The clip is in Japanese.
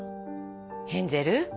ヘンゼル？